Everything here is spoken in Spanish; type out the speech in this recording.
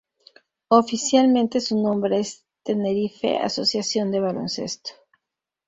Oficialmente su nombre es "Tenerife Asociación de Baloncesto".